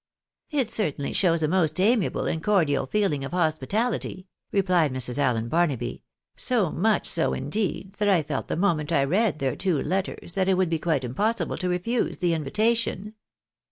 " It certainly shows a most amiable and cordial feeling of hospi tality," replied Mrs. Allen Barnaby ;" so much so, indeed, that I felt the moment I read their two letters, that it would be quite impossible to refuse the invitation."